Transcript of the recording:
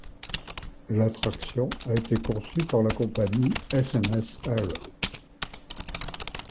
L'attraction a été conçue par la compagnie S&S Arrow.